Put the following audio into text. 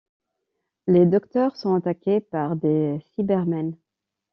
Les Docteurs sont attaqués par des Cybermen.